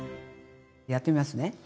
やってみますね。